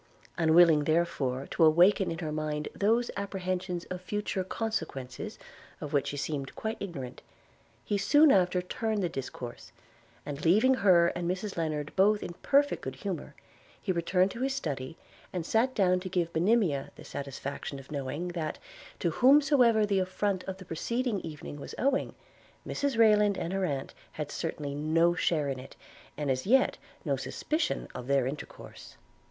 Unwilling, therefore, to awaken in her mind those apprehensions of future consequences, of which she seemed quite ignorant, he soon after turned the discourse; and, leaving her and Mrs Lennard both in perfect good humor, he returned to his study, and sat down to give Monimia the satisfaction of knowing, that, to whomsoever the affright of the preceding evening was owing, Mrs Rayland and her aunt had certainly no share in it, and as yet no suspicion of their intercourse.